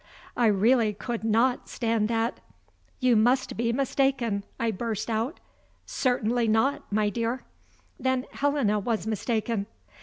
I really could not stand that. "You must be mistaken," I burst out. "Certainly not, my dear." "Then Helena was mistaken."